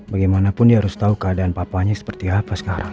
bagaimanapun dia harus tahu keadaan papanya seperti apa sekarang